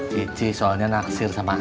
cici soalnya naksir sama